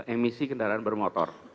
emisi kendaraan bermotor